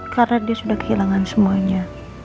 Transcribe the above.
karena dia sudah kehilangan semuanya